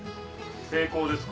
成功ですか？